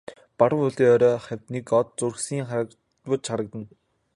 Баруун уулын орой хавьд нэг од зурсхийн харваж харагдана.